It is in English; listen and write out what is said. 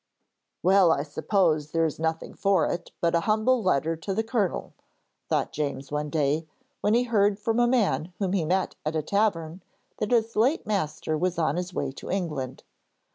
'Well, I suppose there is nothing for it but a humble letter to the Colonel,' thought James one day, when he heard from a man whom he met at a tavern that his late master was on his way to England.